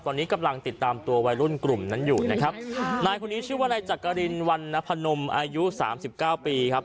ตอนนี้กำลังติดตามตัววัยรุ่นกลุ่มนั้นอยู่นะครับนายคนนี้ชื่อว่านายจักรินวันนพนมอายุสามสิบเก้าปีครับ